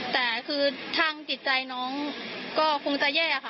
แต่คือทางจิตใจน้องก็คงจะแย่ค่ะ